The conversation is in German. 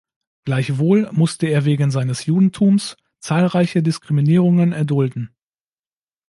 Gleichwohl musste er wegen seines Judentums zahlreiche Diskriminierungen erdulden.